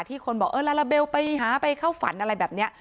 คนบอกเออลาลาเบลไปหาไปเข้าฝันอะไรแบบนี้